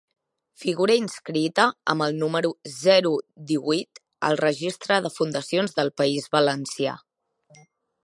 Figura inscrita amb el número zero díhuit al Registre de Fundacions del País Valencià.